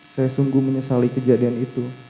saya sungguh menyesali kejadian itu